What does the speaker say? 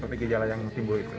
seperti gejala yang timbul itu